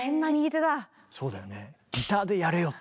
そうだよね。